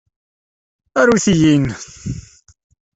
Arut-iyi-n!